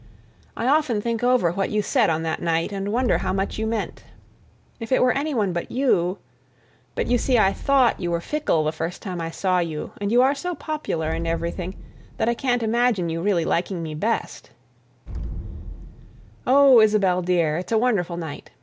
I often think over what you said on that night and wonder how much you meant. If it were anyone but you—but you see I thought you were fickle the first time I saw you and you are so popular and everthing that I can't imagine you really liking me best. Oh, Isabelle, dear—it's a wonderful night.